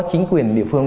chính quyền địa phương